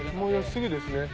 すぐですね。